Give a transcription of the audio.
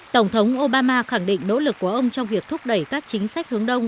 tổng thống obama khẳng định nỗ lực của ông trong việc thúc đẩy các chính sách hướng đông